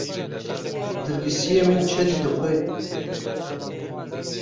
Dergîsiyê min cidî dixuye.